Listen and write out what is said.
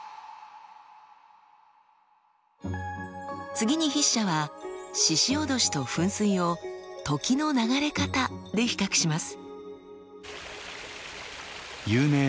次に筆者は鹿おどしと噴水を時の流れ方で比較します。